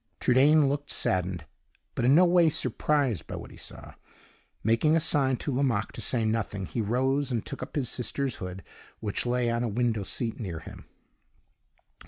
Trudaine looked saddened, but in no way surprised by what he saw. Making a sign to Lomaque to say nothing, he rose and took up his sister's hood, which lay on a window seat near him.